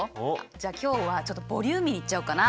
じゃ今日はちょっとボリューミーいっちゃおうかな。